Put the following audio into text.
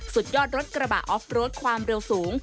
สุดยอดรถกระบะออฟโรดความเร็วสูง